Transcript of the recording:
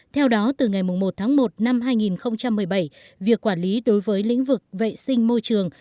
theo đó từ ngày một tháng một năm hai nghìn một mươi bảy việc quản lý đối với lĩnh vực vệ sinh môi trường